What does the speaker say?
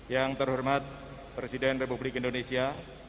yang terhormat presiden republik indonesia